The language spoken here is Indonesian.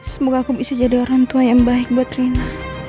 semoga aku bisa jadi orang tua yang baik buat rina